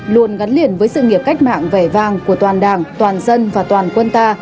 luôn gắn liền với sự nghiệp cách mạng vẻ vang của toàn đảng toàn dân và toàn quân ta